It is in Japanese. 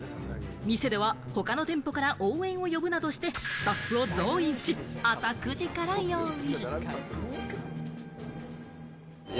店では他の店舗から応援を呼ぶなどしてスタッフを増員し、朝９時から用意。